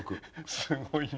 すごいな。